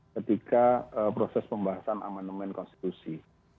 ketika proses pembahasan amandemen konstitusi